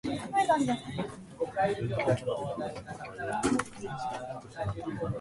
It has fox holes built by the villagers on its west.